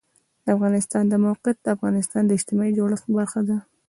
د افغانستان د موقعیت د افغانستان د اجتماعي جوړښت برخه ده.